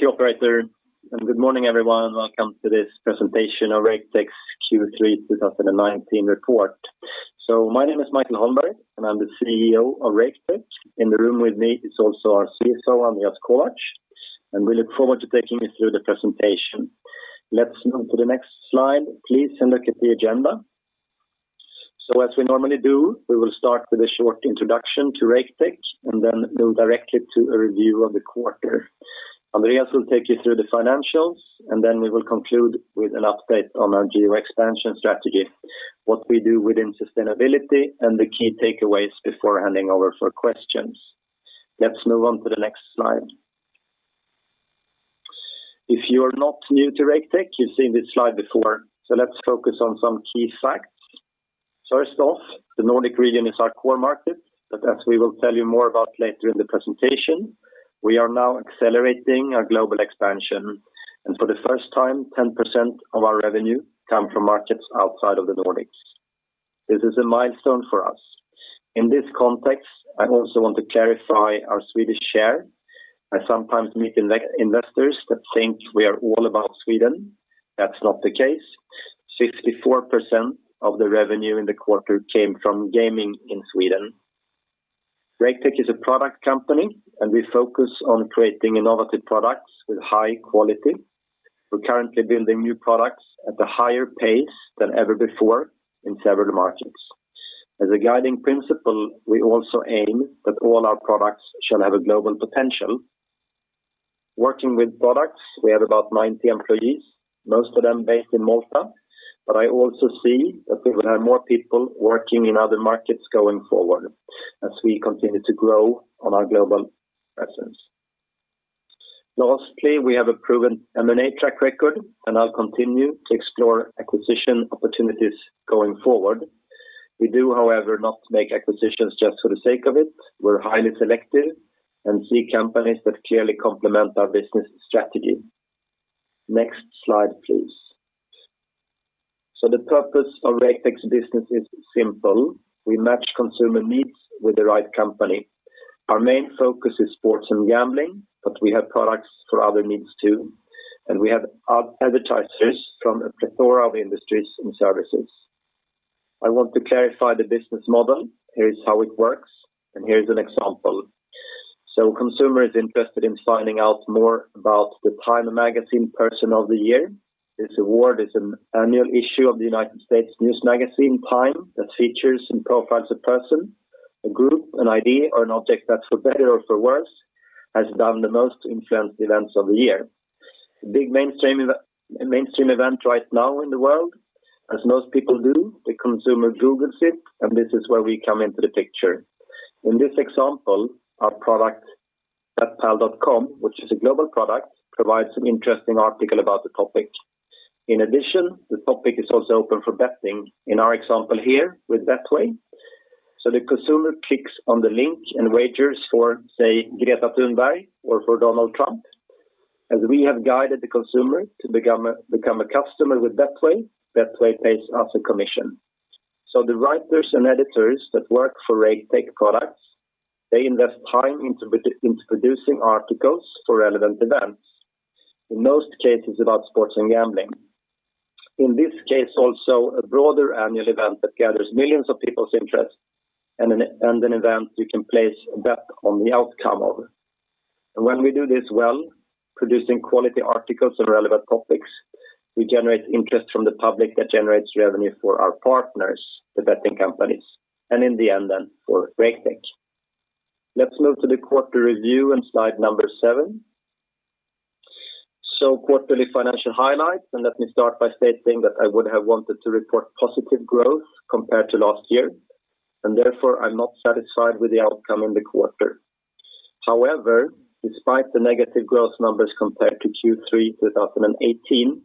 Thank you, operator. Good morning, everyone. Welcome to this presentation of Raketech Q3 2019 report. My name is Michael Holmberg, and I'm the CEO of Raketech. In the room with me is also our CFO, Andreas Kovacs. We look forward to taking you through the presentation. Let's move to the next slide, please. Look at the agenda. As we normally do, we will start with a short introduction to Raketech. Then go directly to a review of the quarter. Andreas will take you through the financials. Then we will conclude with an update on our geo expansion strategy, what we do within sustainability, the key takeaways before handing over for questions. Let's move on to the next slide. If you are not new to Raketech, you've seen this slide before. Let's focus on some key facts. First off, the Nordic region is our core market, but as we will tell you more about later in the presentation, we are now accelerating our global expansion, and for the first time, 10% of our revenue come from markets outside of the Nordics. This is a milestone for us. In this context, I also want to clarify our Swedish share. I sometimes meet investors that think we are all about Sweden. That's not the case. 64% of the revenue in the quarter came from gaming in Sweden. Raketech is a product company, and we focus on creating innovative products with high quality. We're currently building new products at a higher pace than ever before in several markets. As a guiding principle, we also aim that all our products shall have a global potential. Working with products, we have about 90 employees, most of them based in Malta, I also see that we will have more people working in other markets going forward as we continue to grow on our global presence. Lastly, we have a proven M&A track record, I'll continue to explore acquisition opportunities going forward. We do, however, not make acquisitions just for the sake of it. We're highly selective and see companies that clearly complement our business strategy. Next slide, please. The purpose of Raketech's business is simple: We match consumer needs with the right company. Our main focus is sports and gambling, we have products for other needs, too, we have advertisers from a plethora of industries and services. I want to clarify the business model. Here's how it works, here's an example. Consumer is interested in finding out more about the Time Magazine Person of the Year. This award is an annual issue of the United States news magazine, Time, that features and profiles a person, a group, an idea, or an object that, for better or for worse, has done the most to influence events of the year. Big mainstream event right now in the world, as most people do, the consumer googles it, and this is where we come into the picture. In this example, our product, BetPal.com, which is a global product, provides an interesting article about the topic. In addition, the topic is also open for betting in our example here with Betway. The consumer clicks on the link and wagers for, say, Greta Thunberg or for Donald Trump. We have guided the consumer to become a customer with Betway pays us a commission. The writers and editors that work for Raketech products, they invest time into producing articles for relevant events. In most cases, about sports and gambling. In this case, also, a broader annual event that gathers millions of people's interest and an event you can place a bet on the outcome of. When we do this well, producing quality articles and relevant topics, we generate interest from the public that generates revenue for our partners, the betting companies, and in the end, then, for Raketech. Let's move to the quarter review on slide number 7. Quarterly financial highlights, and let me start by stating that I would have wanted to report positive growth compared to last year, and therefore, I'm not satisfied with the outcome in the quarter. However, despite the negative growth numbers compared to Q3, 2018,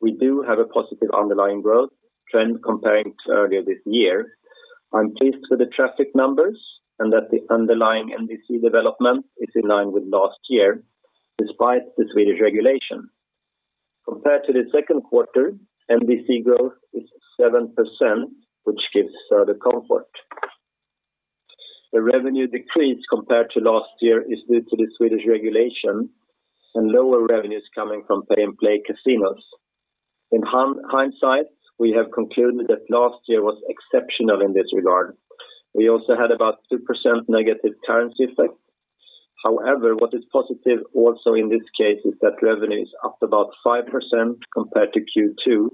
we do have a positive underlying growth trend comparing to earlier this year. I'm pleased with the traffic numbers and that the underlying NBC development is in line with last year, despite the Swedish regulation. Compared to the second quarter, NBC growth is 7%, which gives the comfort. The revenue decrease compared to last year is due to the Swedish regulation and lower revenues coming from Pay N Play casinos. In hindsight, we have concluded that last year was exceptional in this regard. We also had about 2% negative currency effect. What is positive also in this case is that revenue is up about 5% compared to Q2,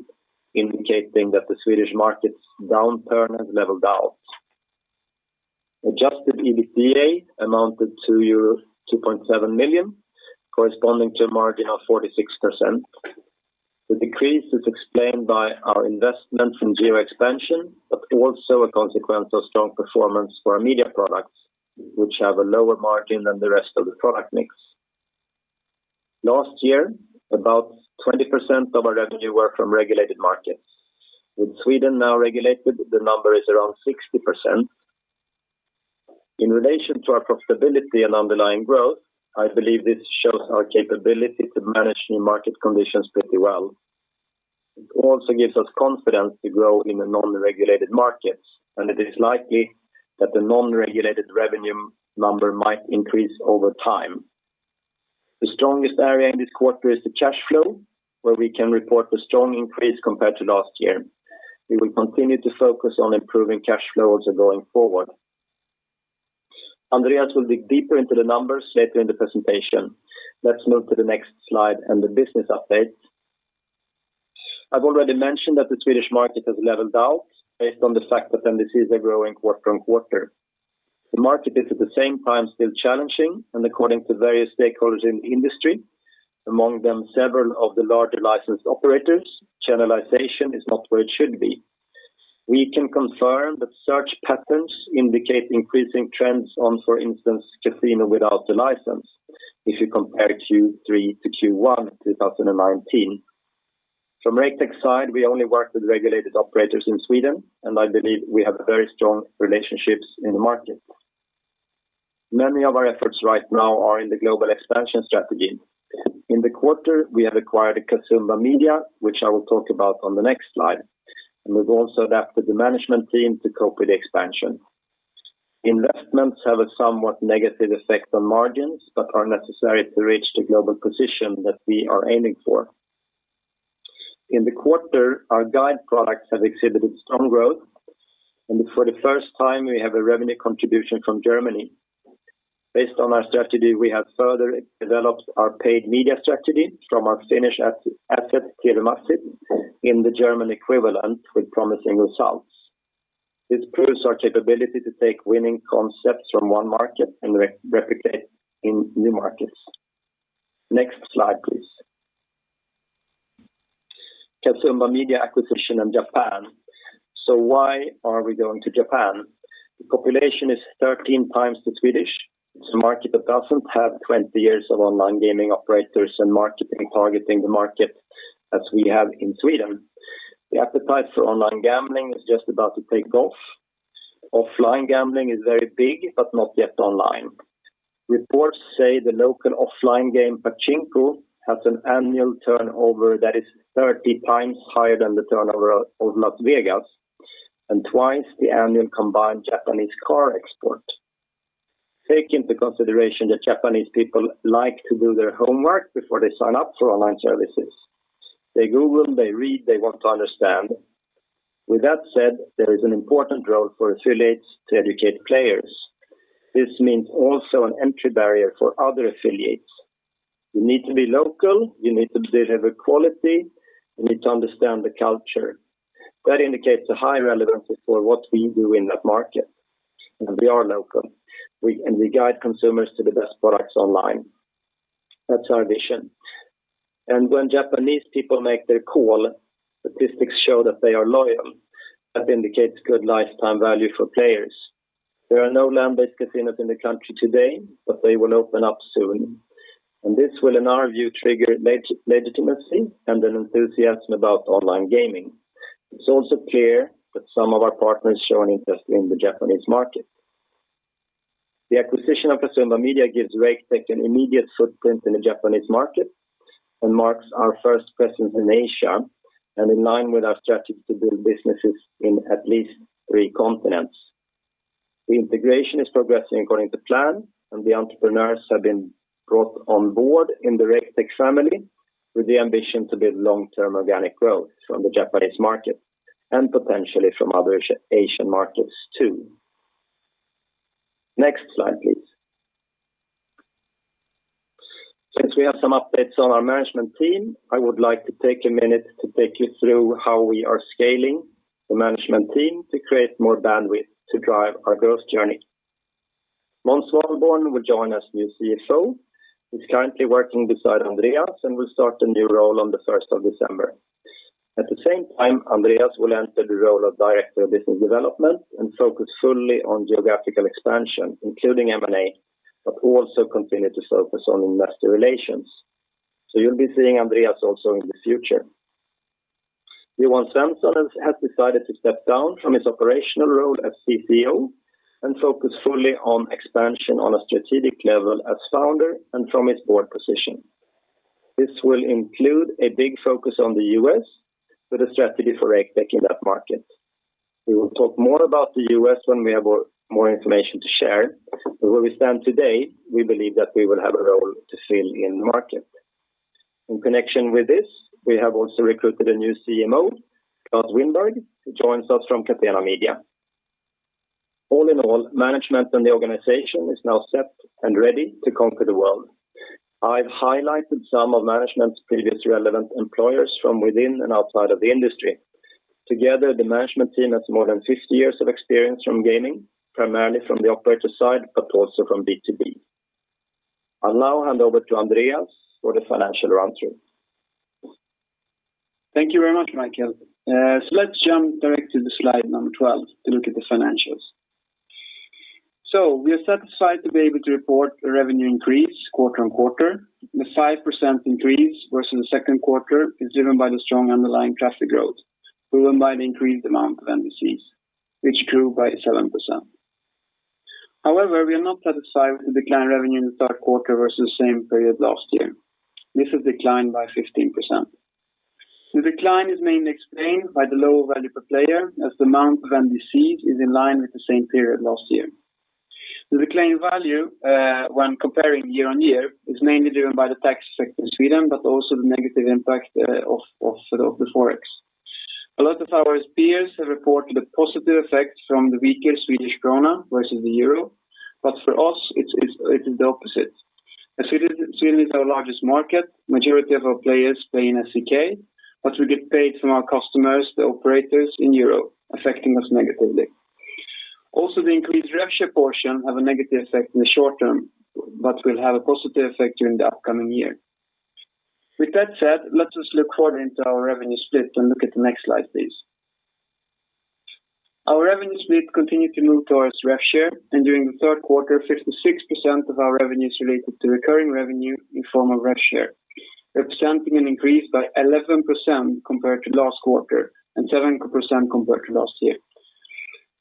indicating that the Swedish market's downturn has leveled out. Adjusted EBITDA amounted to euro 2.7 million, corresponding to a margin of 46%. The decrease is explained by our investment from geo expansion, but also a consequence of strong performance for our media products, which have a lower margin than the rest of the product mix. Last year, about 20% of our revenue were from regulated markets. With Sweden now regulated, the number is around 60%. In relation to our profitability and underlying growth, I believe this shows our capability to manage new market conditions pretty well. It also gives us confidence to grow in the non-regulated markets, and it is likely that the non-regulated revenue number might increase over time. The strongest area in this quarter is the cash flow, where we can report a strong increase compared to last year. We will continue to focus on improving cash flows and going forward. Andreas will dig deeper into the numbers later in the presentation. Let's move to the next slide and the business update. I've already mentioned that the Swedish market has leveled out based on the fact that NDC is growing quarter on quarter. The market is at the same time, still challenging, and according to various stakeholders in the industry, among them, several of the larger licensed operators, channelization is not where it should be. We can confirm that search patterns indicate increasing trends on, for instance, casino without the license, if you compare Q3 to Q1, 2019. From Raketech side, we only work with regulated operators in Sweden. I believe we have very strong relationships in the market. Many of our efforts right now are in the global expansion strategy. In the quarter, we have acquired the Casumba Media, which I will talk about on the next slide. We've also adapted the management team to cope with the expansion. Investments have a somewhat negative effect on margins, but are necessary to reach the global position that we are aiming for. In the quarter, our guide products have exhibited strong growth. For the first time, we have a revenue contribution from Germany. Based on our strategy, we have further developed our paid media strategy from our Finnish asset market, in the German equivalent with promising results. This proves our capability to take winning concepts from one market and replicate in new markets. Next slide, please. Casumba Media acquisition in Japan. Why are we going to Japan? The population is 13 times the Swedish. It's a market that doesn't have 20 years of online gaming operators and marketing, targeting the market as we have in Sweden. The appetite for online gambling is just about to take off. Offline gambling is very big, but not yet online. Reports say the local offline game, Pachinko, has an annual turnover that is 30 times higher than the turnover of Las Vegas, and twice the annual combined Japanese car export. Take into consideration that Japanese people like to do their homework before they sign up for online services. They Google, they read, they want to understand. With that said, there is an important role for affiliates to educate players. This means also an entry barrier for other affiliates. You need to be local, you need to deliver quality, you need to understand the culture. That indicates a high relevancy for what we do in that market. We are local. We guide consumers to the best products online. That's our vision. When Japanese people make their call, statistics show that they are loyal. That indicates good lifetime value for players. There are no land-based casinos in the country today. They will open up soon, and this will, in our view, trigger legitimacy and an enthusiasm about online gaming. It's also clear that some of our partners show an interest in the Japanese market. The acquisition of Casumba Media gives Raketech an immediate footprint in the Japanese market and marks our first presence in Asia, in line with our strategy to build businesses in at least three continents. The integration is progressing according to plan, and the entrepreneurs have been brought on board in the Raketech family with the ambition to build long-term organic growth from the Japanese market, and potentially from other Asian markets, too. Next slide, please. Since we have some updates on our management team, I would like to take a minute to take you through how we are scaling the management team to create more bandwidth to drive our growth journey. Måns Svalborn will join us, new CFO, who's currently working beside Andreas and will start a new role on the first of December. At the same time, Andreas will enter the role of Director of Business Development and focus fully on geographical expansion, including M&A, but also continue to focus on investor relations. You'll be seeing Andreas also in the future. Johan Svensson has decided to step down from his operational role as CCO and focus fully on expansion on a strategic level as founder and from his board position. This will include a big focus on the US with a strategy for Raketech in that market. We will talk more about the US when we have more information to share. Where we stand today, we believe that we will have a role to fill in the market. In connection with this, we have also recruited a new CMO, Carl Wiberg, who joins us from Catena Media. All in all, management and the organization is now set and ready to conquer the world. I've highlighted some of management's previous relevant employers from within and outside of the industry. Together, the management team has more than 50 years of experience from gaming, primarily from the operator side, but also from B2B. I'll now hand over to Andreas for the financial run-through. Thank you very much, Michael. Let's jump direct to the slide number 12 to look at the financials. We are satisfied to be able to report a revenue increase quarter-on-quarter. The 5% increase versus the second quarter is driven by the strong underlying traffic growth, driven by the increased amount of NDCs, which grew by 7%. We are not satisfied with the decline revenue in the third quarter versus the same period last year. This has declined by 15%. The decline is mainly explained by the lower value per player, as the amount of NDCs is in line with the same period last year. The decline value, when comparing year-on-year, is mainly driven by the tax effect in Sweden, but also the negative impact of the Forex. A lot of our peers have reported a positive effect from the weaker Swedish krona versus the euro, but for us, it's, it is the opposite. As Sweden is our largest market, majority of our players play in SEK, but we get paid from our customers, the operators in Europe, affecting us negatively. The increased RevShare portion have a negative effect in the short term, but will have a positive effect during the upcoming year. With that said, let us look forward into our revenue split and look at the next slide, please. Our revenue split continued to move towards RevShare, During the third quarter, 56% of our revenues related to recurring revenue in form of RevShare, representing an increase by 11% compared to last quarter and 7% compared to last year.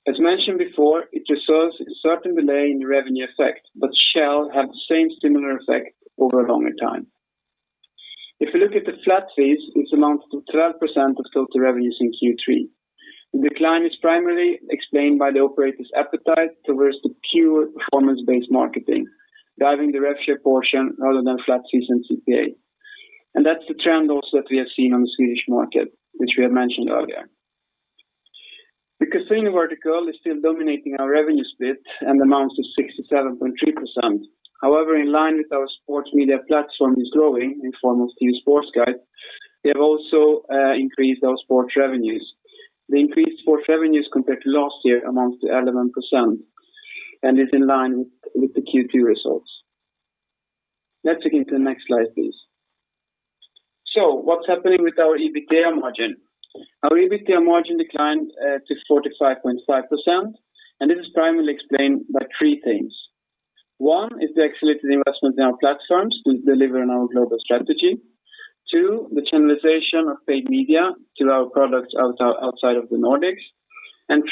As mentioned before, it results in a certain delay in the revenue effect, but shall have the same similar effect over a longer time. If you look at the flat fees, it's amounts to 12% of total revenues in Q3. The decline is primarily explained by the operators' appetite towards the pure performance-based marketing, driving the RevShare portion rather than flat fees and CPA. That's the trend also that we have seen on the Swedish market, which we have mentioned earlier. The casino vertical is still dominating our revenue split and amounts to 67.3%. However, in line with our sports media platform is growing in form of TVSportGuide, we have also increased our sports revenues. The increased sports revenues compared to last year amounts to 11% and is in line with the Q2 results. Let's look into the next slide, please. What's happening with our EBITDA margin? Our EBITDA margin declined to 45.5%, this is primarily explained by three things. One, is the accelerated investment in our platforms to deliver on our global strategy. Two, the channelization of paid media to our products outside of the Nordics.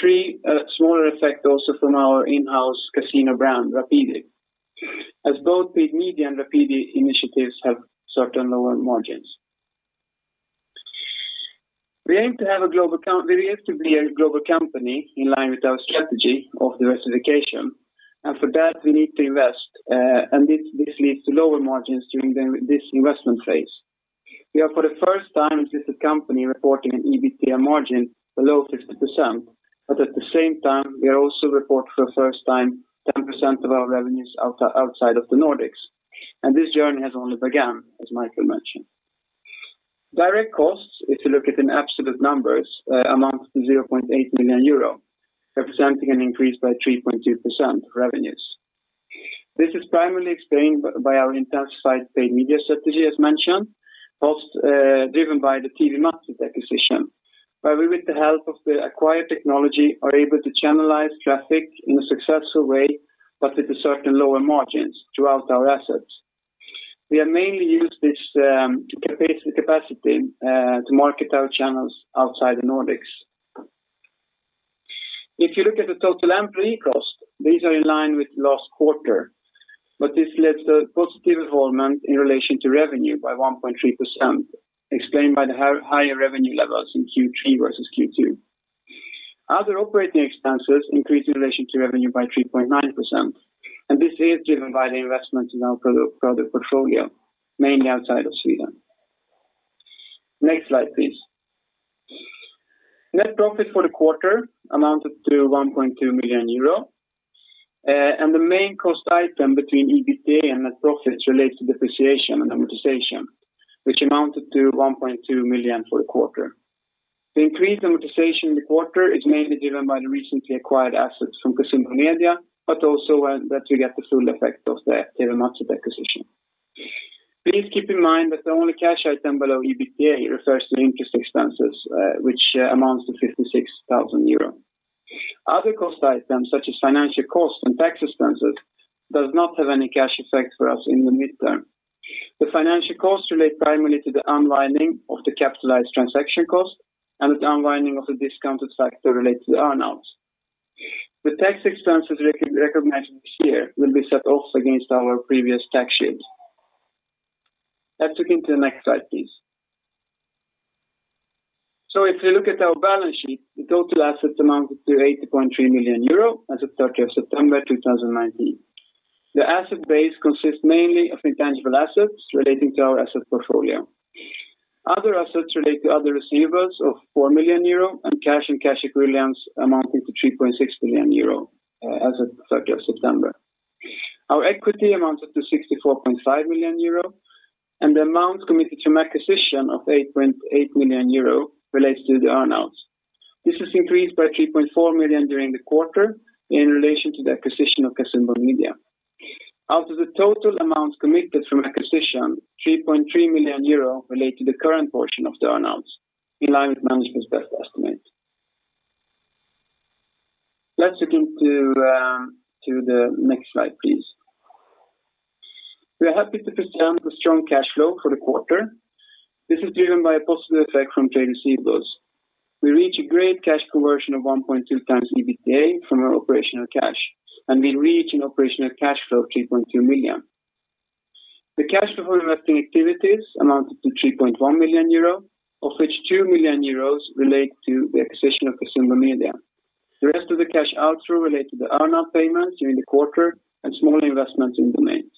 Three, a smaller effect also from our in-house casino brand, Rapidi. As both paid media and Rapidi initiatives have certain lower margins. We aim to be a global company in line with our strategy of diversification, for that, we need to invest, this leads to lower margins during this investment phase. We are, for the first time, as a company, reporting an EBITDA margin below 50%. At the same time, we are also report for the first time, 10% of our revenues outside of the Nordics. This journey has only begun, as Michael mentioned. Direct costs, if you look at in absolute numbers, amounts to 0.8 million euro, representing an increase by 3.2% revenues. This is primarily explained by our intensified paid media strategy, as mentioned, post driven by the TVmatchen acquisition, where we, with the help of the acquired technology, are able to channelize traffic in a successful way, with a certain lower margins throughout our assets. We are mainly use this capacity to market our channels outside the Nordics. If you look at the total employee costs, these are in line with last quarter. This leads to a positive development in relation to revenue by 1.3%, explained by the higher revenue levels in Q3 versus Q2. Other operating expenses increased in relation to revenue by 3.9%. This is driven by the investment in our product portfolio, mainly outside of Sweden. Next slide, please. Net profit for the quarter amounted to 1.2 million euro. The main cost item between EBITDA and net profits relates to depreciation and amortization, which amounted to 1.2 million for the quarter. The increased amortization in the quarter is mainly driven by the recently acquired assets from Casumba Media Ltd. Also, that we get the full effect of the TVmatchen acquisition. Please keep in mind that the only cash item below EBITDA refers to interest expenses, which amounts to 56,000 euros. Other cost items, such as financial costs and tax expenses, does not have any cash effect for us in the midterm. The financial costs relate primarily to the unwinding of the capitalized transaction cost and the unwinding of the discounted factor related to the earn outs. The tax expenses recognized this year will be set off against our previous tax shield. Let's look into the next slide, please. If you look at our balance sheet, the total assets amounted to 80.3 million euro as of 30 of September 2019. The asset base consists mainly of intangible assets relating to our asset portfolio. Other assets relate to other receivables of 4 million euro and cash and cash equivalents amounting to 3.6 million euro as of 3rd of September. Our equity amounted to 64.5 million euro, and the amount committed to acquisition of 8.8 million euro relates to the earn-outs. This is increased by 3.4 million during the quarter in relation to the acquisition of Casumba Media. Out of the total amount committed from acquisition, 3.3 million euro relate to the current portion of the earn-outs in line with management's best estimate. Let's look into the next slide, please. We are happy to present the strong cash flow for the quarter. This is driven by a positive effect from trade receivables. We reach a great cash conversion of 1.2x EBITDA from our operational cash. We reach an operational cash flow of 3.2 million. The cash flow investing activities amounted to 3.1 million euro, of which 2 million euros relate to the acquisition of the Casumba Media. The rest of the cash outflow relate to the earn-out payments during the quarter and small investments in domains.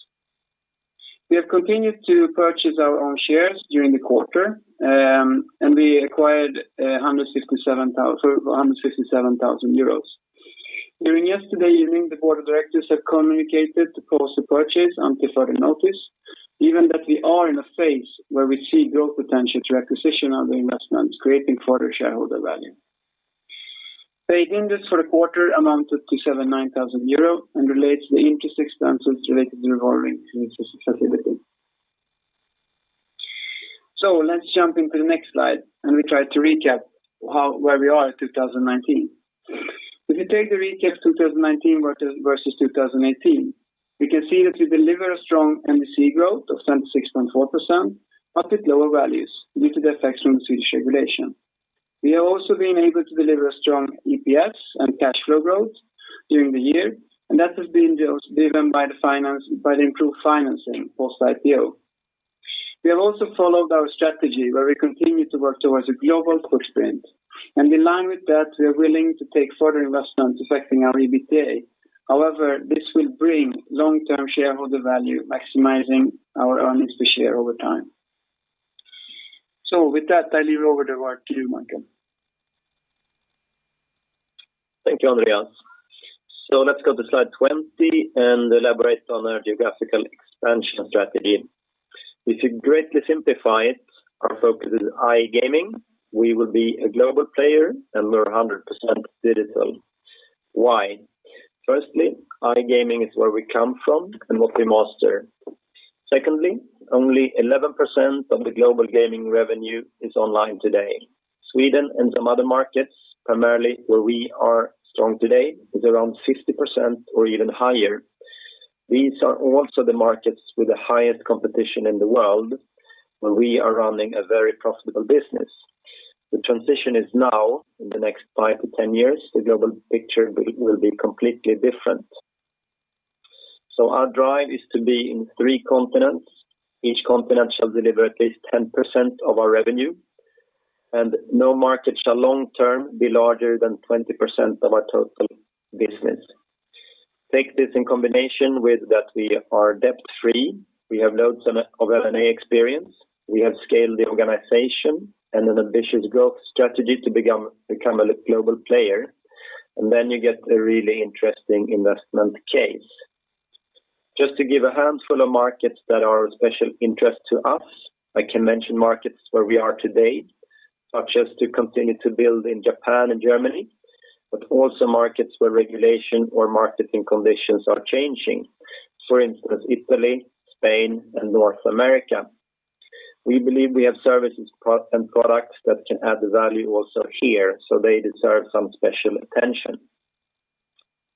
We have continued to purchase our own shares during the quarter, and we acquired 157,000 EUR. During yesterday evening, the board of directors have communicated to pause the purchase until further notice, even that we are in a phase where we see growth potential to acquisition on the investments, creating further shareholder value. Paid interest for a quarter amounted to 79,000 euro and relates the interest expenses related to revolving facility. Let's jump into the next slide, and we try to recap where we are in 2019. If you take the recap 2019 versus 2018, we can see that we deliver a strong NDC growth of 76.4%, but with lower values due to the effects from the Swedish regulation. We have also been able to deliver a strong EPS and cash flow growth during the year. That has been driven by the improved financing post IPO. We have also followed our strategy, where we continue to work towards a global footprint. In line with that, we are willing to take further investments affecting our EBITDA. This will bring long-term shareholder value, maximizing our earnings per share over time. With that, I leave over the word to you, Michael. Thank you, Andreas. Let's go to slide 20 and elaborate on our geographical expansion strategy. If you greatly simplify it, our focus is iGaming. We will be a global player and we're 100% digital. Why? Firstly, iGaming is where we come from and what we master. Secondly, only 11% of the global gaming revenue is online today. Sweden and some other markets, primarily where we are strong today, is around 50% or even higher. These are also the markets with the highest competition in the world, where we are running a very profitable business. The transition is now in the next 5-10 years, the global picture will be completely different. Our drive is to be in 3 continents. Each continent shall deliver at least 10% of our revenue. No market shall long term be larger than 20% of our total business. Take this in combination with that we are debt-free, we have loads of M&A experience, we have scaled the organization and an ambitious growth strategy to become a global player. You get a really interesting investment case. Just to give a handful of markets that are of special interest to us, I can mention markets where we are today, such as to continue to build in Japan and Germany. Also markets where regulation or marketing conditions are changing. For instance, Italy, Spain, and North America. We believe we have services and products that can add value also here. They deserve some special attention.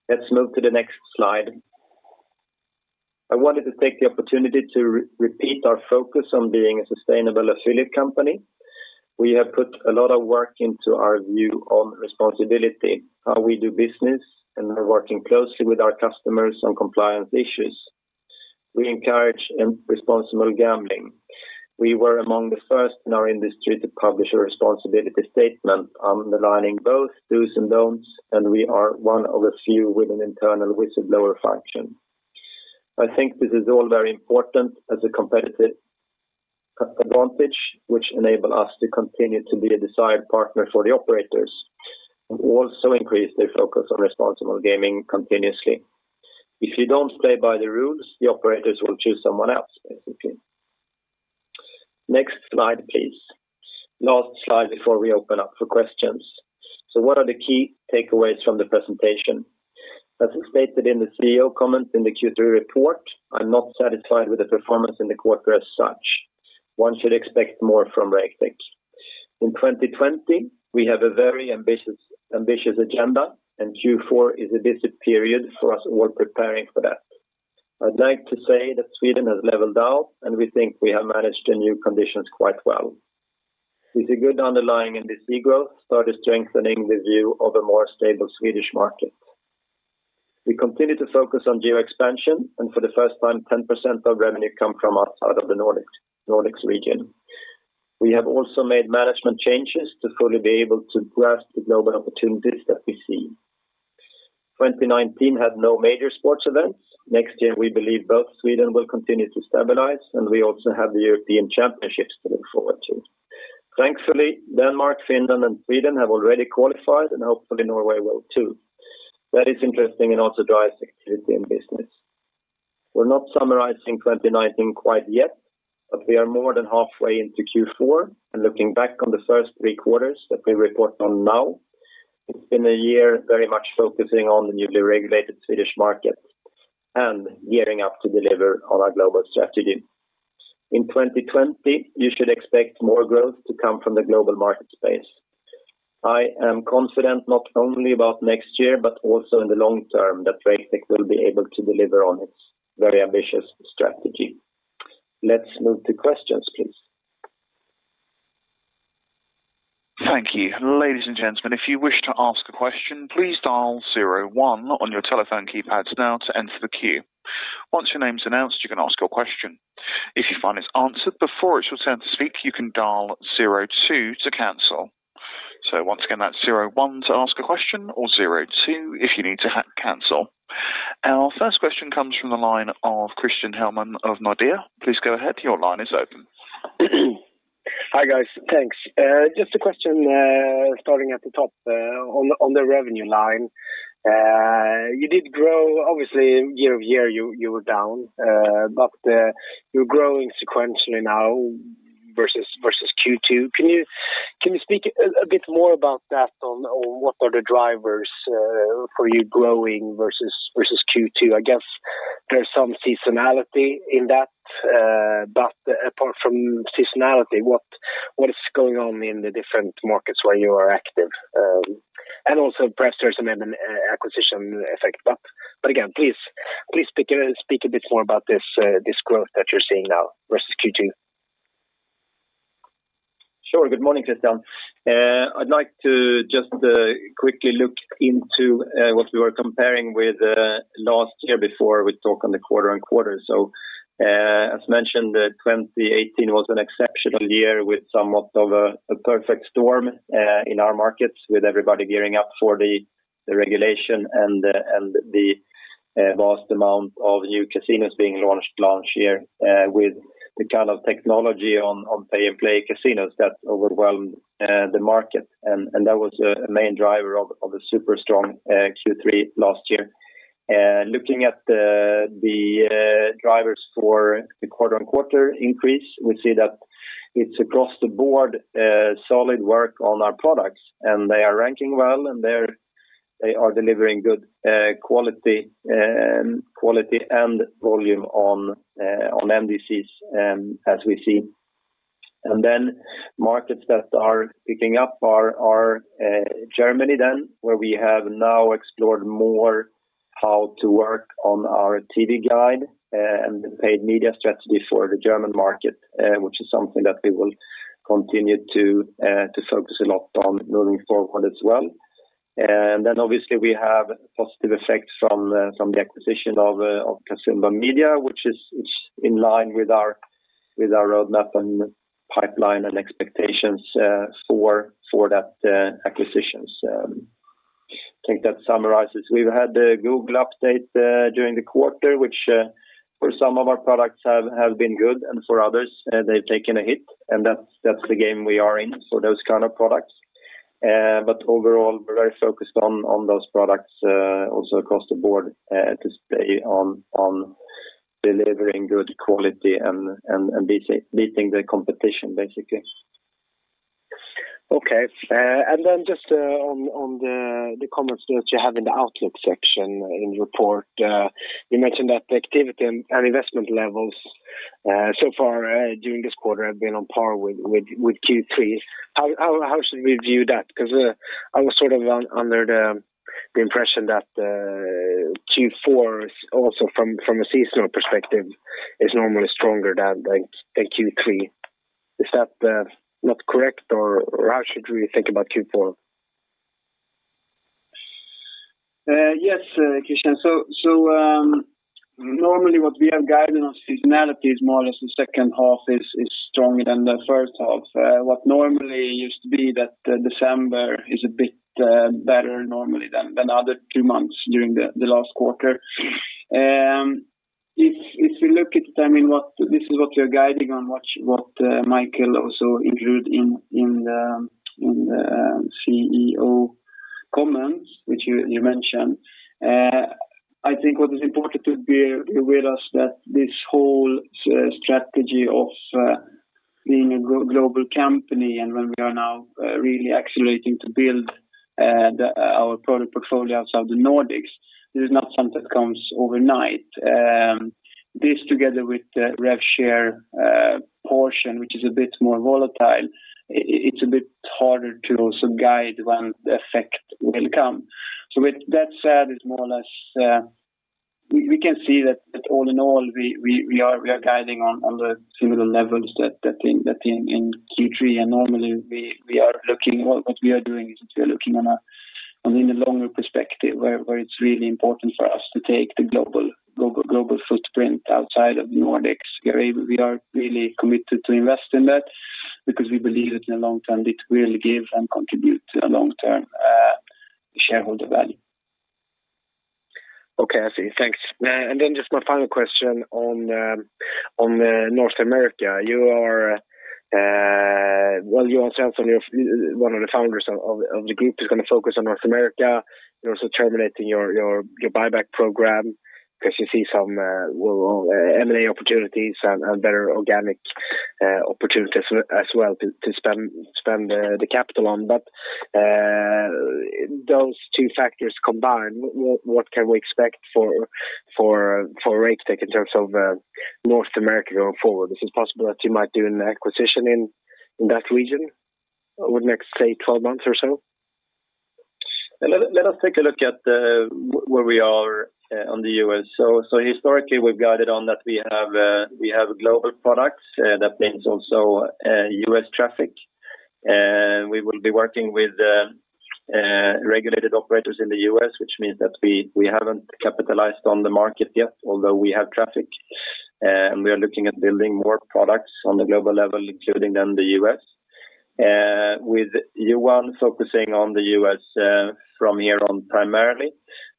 Let's move to the next slide. I wanted to take the opportunity to repeat our focus on being a sustainable affiliate company. We have put a lot of work into our view on responsibility, how we do business, and we're working closely with our customers on compliance issues. We encourage responsible gambling. We were among the first in our industry to publish a responsibility statement, underlining both dos and don'ts, and we are one of a few with an internal whistleblower function. I think this is all very important as a competitive advantage, which enable us to continue to be a desired partner for the operators, and also increase their focus on responsible gaming continuously. If you don't play by the rules, the operators will choose someone else, basically. Next slide, please. Last slide before we open up for questions. What are the key takeaways from the presentation? As stated in the CEO comments in the Q3 report, I'm not satisfied with the performance in the quarter as such. One should expect more from Raketech. In 2020, we have a very ambitious agenda, and Q4 is a busy period for us, and we're preparing for that. I'd like to say that Sweden has leveled out, and we think we have managed the new conditions quite well. With a good underlying NDC growth, started strengthening the view of a more stable Swedish market. We continue to focus on geo expansion, and for the first time, 10% of revenue come from outside of the Nordics region. We have also made management changes to fully be able to grasp the global opportunities that we see. 2019 had no major sports events. Next year, we believe both Sweden will continue to stabilize, and we also have the European Championship to look forward to. Thankfully, Denmark, Finland, and Sweden have already qualified, and hopefully Norway will, too. That is interesting and also drives activity in business. We're not summarizing 2019 quite yet, but we are more than halfway into Q4. Looking back on the first three quarters that we report on now, it's been a year very much focusing on the newly regulated Swedish market and gearing up to deliver on our global strategy. In 2020, you should expect more growth to come from the global market space. I am confident not only about next year, but also in the long term, that Raketech will be able to deliver on its very ambitious strategy. Let's move to questions, please. Thank you. Ladies and gentlemen, if you wish to ask a question, please dial 01 on your telephone keypads now to enter the queue. Once your name is announced, you can ask your question. If you find it's answered before it's your turn to speak, you can dial 02 to cancel. Once again, that's 01 to ask a question, or 02 if you need to cancel. Our first question comes from the line of Christian Hellman of Nordea. Please go ahead. Your line is open. Hi, guys, thanks. Just a question, starting at the top, on the revenue line. You did grow, obviously, year-over-year you were down, but you're growing sequentially now versus Q2. Can you speak a bit more about that on what are the drivers for you growing versus Q2? I guess there's some seasonality in that, but apart from seasonality, what is going on in the different markets where you are active? Also perhaps there's an acquisition effect. Again, please speak a bit more about this growth that you're seeing now versus Q2. Sure. Good morning, Christian. I'd like to just quickly look into what we were comparing with last year before we talk on the quarter-over-quarter. As mentioned, 2018 was an exceptional year with somewhat of a perfect storm in our markets, with everybody gearing up for the regulation and the vast amount of new casinos being launched last year, with the kind of technology on Pay N Play casinos that overwhelmed the market, and that was a main driver of a super strong Q3 last year. Looking at the drivers for the quarter-on-quarter increase, we see that it's across the board, solid work on our products, and they are ranking well, and they are delivering good quality and volume on NDCs as we see. Markets that are picking up are Germany then, where we have now explored more how to work on our TV guide and the paid media strategy for the German market, which is something that we will continue to focus a lot on moving forward as well. Obviously, we have positive effects from the acquisition of Casumba Media, which is in line with our roadmap and pipeline and expectations for that acquisitions. I think that summarizes. We've had the Google update during the quarter, which for some of our products have been good, and for others, they've taken a hit, and that's the game we are in for those kind of products. Overall, we're very focused on those products, also across the board, to stay on delivering good quality and beating the competition, basically. Just on the comments that you have in the outlook section in your report, you mentioned that the activity and investment levels so far during this quarter have been on par with Q3. How should we view that? I was sort of under the impression that Q4 is also from a seasonal perspective, is normally stronger than a Q3. Is that not correct, or, how should we think about Q4? Christian. Normally what we have guided on seasonality is more or less the second half is stronger than the first half. What normally used to be that December is better normally than other 2 months during the last quarter. If you look at, I mean, this is what we are guiding on what Michael also include in the CEO comments, which you mentioned. I think what is important to be aware us that this whole strategy of being a global company, when we are now really accelerating to build our product portfolio outside the Nordics, this is not something that comes overnight. This together with the RevShare portion, which is a bit more volatile, it's a bit harder to also guide when the effect will come. With that said, it's more or less, we can see that all in all, we are guiding on the similar levels that in Q3. Normally what we are doing is we are looking in a longer perspective, where it's really important for us to take the global footprint outside of Nordics. We are really committed to invest in that because we believe it in the long term, it will give and contribute to a long-term shareholder value. Okay, I see. Thanks. Then just my final question on North America. You are, you also, one of the founders of the group is going to focus on North America. You're also terminating your buyback program because you see some M&A opportunities and better organic opportunities as well to spend the capital on that. Those two factors combined, what can we expect for Raketech in terms of North America going forward? Is it possible that you might do an acquisition in that region over the next, say, 12 months or so? Let us take a look at where we are on the U.S. Historically, we've guided on that we have global products, that means also U.S. traffic. We will be working with regulated operators in the U.S., which means that we haven't capitalized on the market yet, although we have traffic. We are looking at building more products on the global level, including then the U.S. With Johan focusing on the U.S. from here on primarily,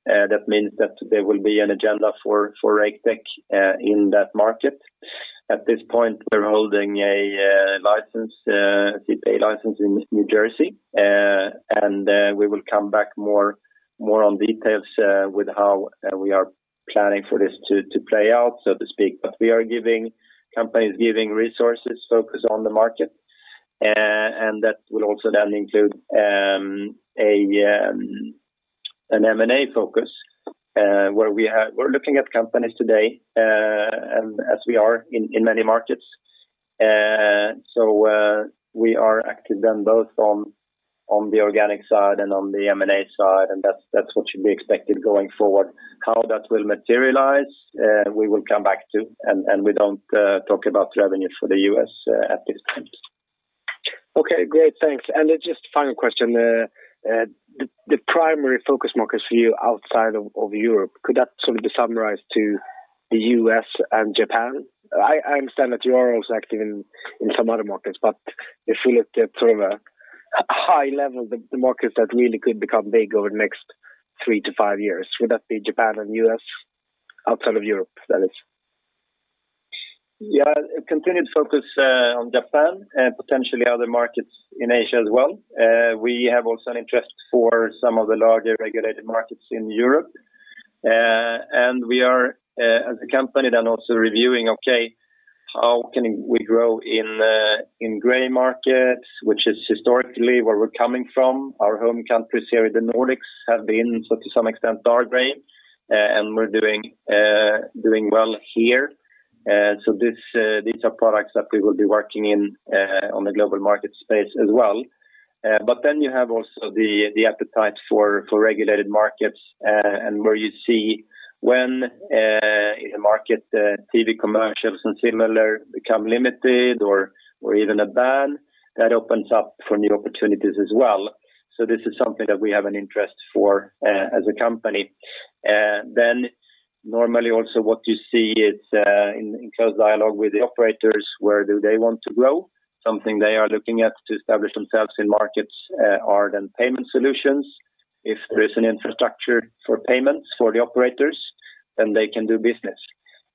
that means that there will be an agenda for Rakete in that market. At this point, we're holding a license, CPA license in New Jersey. We will come back more on details with how we are planning for this to play out, so to speak. Companies giving resources focus on the market, and that will also then include an M&A focus where we are looking at companies today, and as we are in many markets. We are active then both on the organic side and on the M&A side, and that's what should be expected going forward. How that will materialize, we will come back to, and we don't talk about revenue for the U.S. at this time. Okay, great. Thanks. Just final question, the primary focus markets for you outside of Europe, could that sort of be summarized to the U.S. and Japan? I understand that you are also active in some other markets, if you look at sort of a high level, the markets that really could become big over the next three to five years, would that be Japan and U.S., outside of Europe, that is? Continued focus on Japan, and potentially other markets in Asia as well. We have also an interest for some of the larger regulated markets in Europe. We are as a company, then also reviewing, okay, how can we grow in gray markets, which is historically where we're coming from. Our home countries here in the Nordics have been, so to some extent, dark gray, and we're doing well here. This, these are products that we will be working in on the global market space as well. Then you have also the appetite for regulated markets, and where you see when in the market, TV commercials and similar become limited or even a ban, that opens up for new opportunities as well. This is something that we have an interest for as a company. Normally also what you see is in close dialogue with the operators, where do they want to grow? Something they are looking at to establish themselves in markets are payment solutions. If there is an infrastructure for payments for the operators, then they can do business.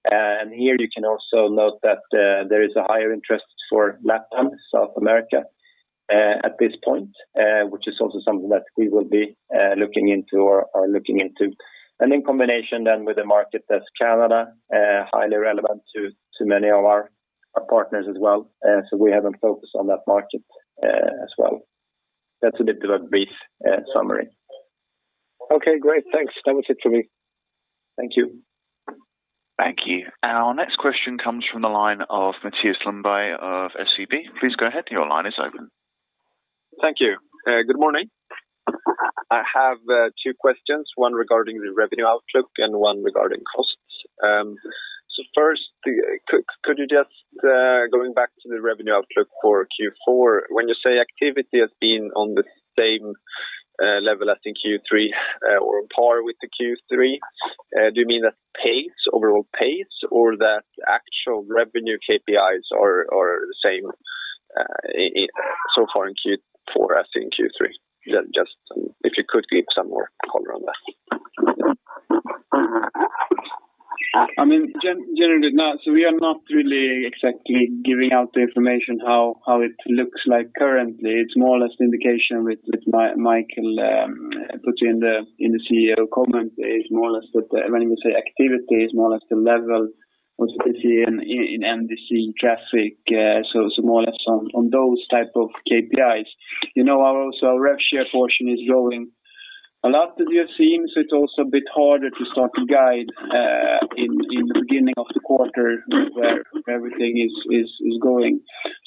Here you can also note that there is a higher interest for Latin, South America at this point, which is also something that we will be looking into or are looking into. In combination with the market, that's Canada, highly relevant to many of our partners as well. We have a focus on that market as well. That's a bit of a brief summary. Okay, great. Thanks. That was it for me. Thank you. Thank you. Our next question comes from the line of Mathias Lundberg of SEB. Please go ahead, your line is open. Thank you. Good morning. I have two questions, one regarding the revenue outlook and one regarding costs. First, could you just, going back to the revenue outlook for Q4, when you say activity has been on the same level as in Q3, or on par with the Q3, do you mean that pace, overall pace, or that actual revenue KPIs are the same, in, so far in Q4 as in Q3? Just, if you could give some more color on that. I mean, generally not. We are not really exactly giving out the information, how it looks like currently. It's more or less indication with Michael put in the CEO comment is more or less that when we say activity, is more or less the level of what we see in NDC traffic. It's more or less on those type of KPIs. You know, our also our RevShare portion is growing. A lot that we have seen, it's also a bit harder to start to guide in the beginning of the quarter where everything is growing.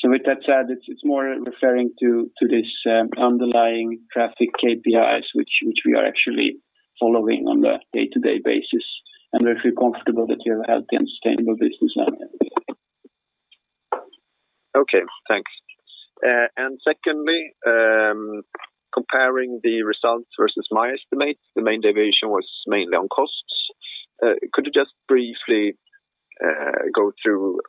With that said, it's more referring to this underlying traffic KPIs, which we are actually following on a day-to-day basis, and we feel comfortable that we have a healthy and sustainable business line. Okay, thanks. Secondly, comparing the results versus my estimate, the main deviation was mainly on costs. Could you just briefly go through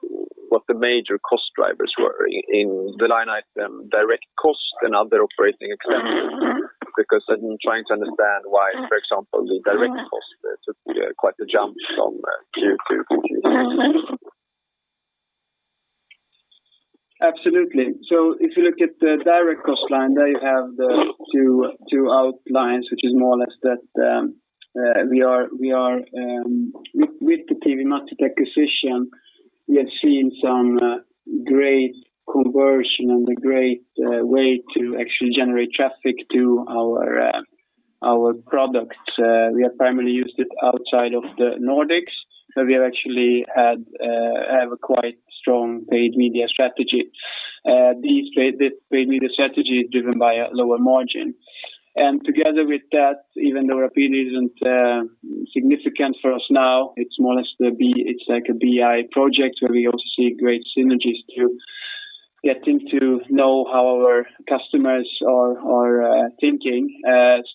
what the major cost drivers were in the line item, direct cost and other operating expenses? I'm trying to understand why, for example, the direct cost took quite a jump from Q2 to Q3. Absolutely. If you look at the direct cost line, there you have the two outlines, which is more or less that, we are, with the TVmatchen.nu acquisition-... we have seen some great conversion and a great way to actually generate traffic to our products. We have primarily used it outside of the Nordics, but we have actually have a quite strong paid media strategy. This paid media strategy is driven by a lower margin. Together with that, even though Rapidi isn't significant for us now, it's more or less it's like a BI project, where we also see great synergies to getting to know how our customers are thinking.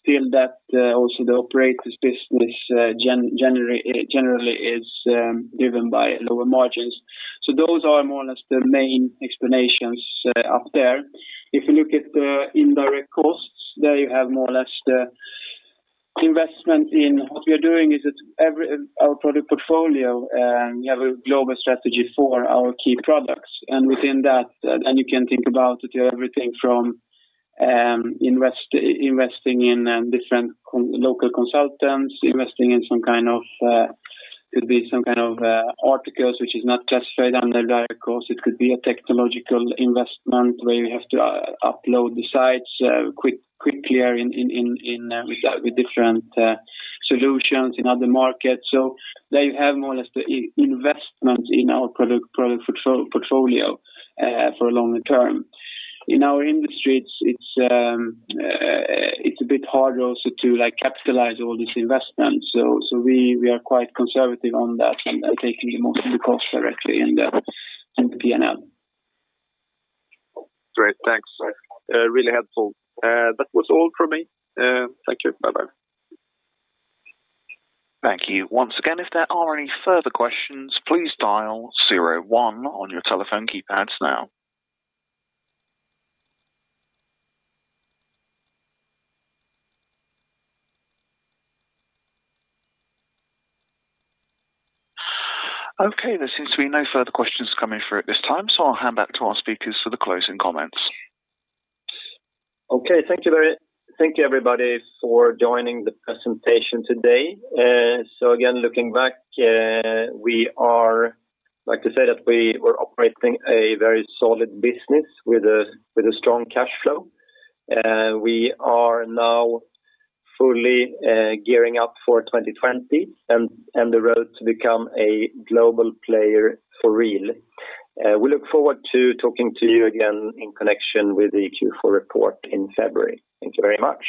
Still that, also the operator's business generally is driven by lower margins. Those are more or less the main explanations out there. If you look at the indirect costs, there you have more or less the investment in... What we are doing is that every, our product portfolio, we have a global strategy for our key products. Within that, and you can think about it, everything from, investing in different local consultants, investing in some kind of, could be some kind of articles, which is not just straight under direct costs. It could be a technological investment where you have to upload the sites quickly in with different solutions in other markets. There you have more or less the investment in our product portfolio for a longer term. In our industry, it's a bit hard also to, like, capitalize all this investment. We are quite conservative on that and taking the most of the cost directly in the P&L. Great, thanks. really helpful. That was all from me. Thank you. Bye-bye. Thank you. Once again, if there are any further questions, please dial 01 on your telephone keypads now. Okay, there seems to be no further questions coming through at this time. I'll hand back to our speakers for the closing comments. Okay. Thank you, everybody, for joining the presentation today. Again, looking back, we are like to say that we were operating a very solid business with a strong cash flow. We are now fully gearing up for 2020 and the road to become a global player for real. We look forward to talking to you again in connection with the Q4 report in February. Thank you very much.